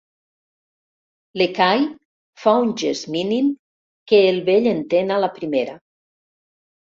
L'Ekahi fa un gest mínim que el vell entén a la primera.